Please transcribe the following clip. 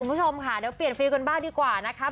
คุณผู้ชมค่ะเดี๋ยวเปลี่ยนฟิลกันบ้างดีกว่านะคะ